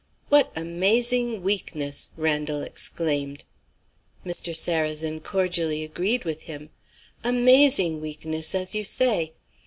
"What amazing weakness!" Randal exclaimed. Mr. Sarrazin cordially agreed with him. "Amazing weakness, as you say.